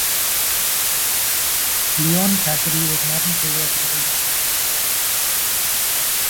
Leon Cassidy was not in favor of the double decker.